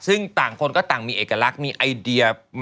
ซึ่งต่างคนก็ต่างมีเอกลักษณ์มีไอเดีย